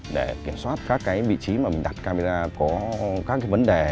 để kiểm soát các cái vị trí mà mình đặt camera có các vấn đề